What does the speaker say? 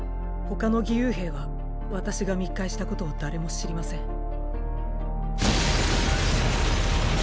他の義勇兵は私が密会したことを誰も知りません。